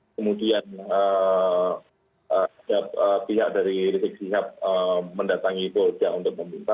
kemudian pihak dari rizik sihab mendatangi polo dato' untuk meminta